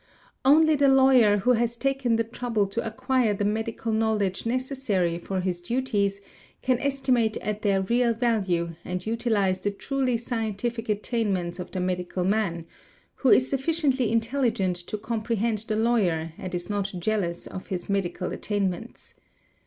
Only the lawyer who has taken the trouble to acquire the medical disdain with which he was at one time treated by the lawyer only arose knowledge necessary for his duties can estimate at their real value and utilise the truly scientific attainments of the medical man; who is suffi ciently intelligent to comprehend the lawyer and is not jealous of his medical attainments.